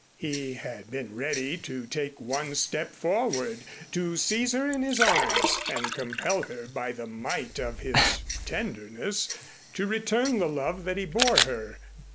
He had been ready to take one step forward, to seize her in his arms and compel her by the might of his tenderness to return the love that he bore her.